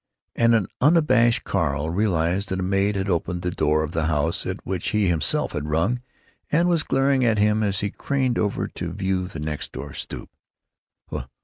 And an abashed Carl realized that a maid had opened the door of the house at which he himself had rung, and was glaring at him as he craned over to view the next door stoop.